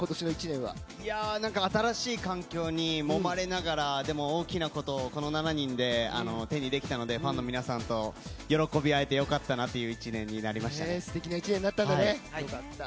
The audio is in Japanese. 新しい環境にもまれながらでも大きなことをこの７人で手にできたのでファンの皆さんと喜び合えてよかったなというすてきな１年になったんだね。